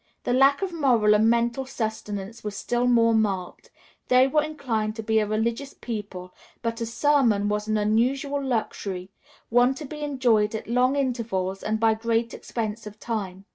The lack of moral and mental sustenance was still more marked. They were inclined to be a religious people, but a sermon was an unusual luxury, only to be enjoyed at long intervals and by great expense of time.